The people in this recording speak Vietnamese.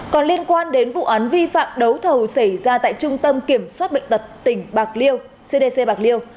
còn liên quan đến vụ án vi phạm đấu thầu xảy ra tại trung tâm kiểm soát bệnh tật tỉnh bạc liêu